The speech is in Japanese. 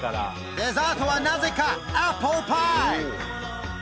デザートはなぜかアップルパイ！